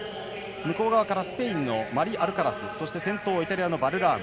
向こう側からスペインのマリアルカラスそして先頭はイタリアのバルラーム。